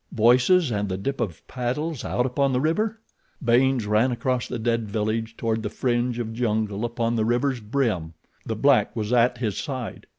Voices and the dip of paddles out upon the river? Baynes ran across the dead village toward the fringe of jungle upon the river's brim. The black was at his side.